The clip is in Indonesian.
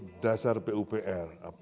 jalan nasional perbatasan paralel